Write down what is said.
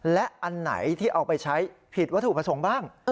และอันไหนที่เอาไปใช้ผิดวัตถุประสงค์บ้าง